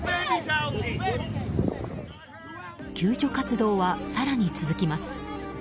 救助活動は更に続きます。